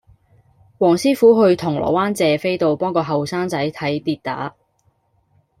黃師傅去銅鑼灣謝斐道幫個後生仔睇跌打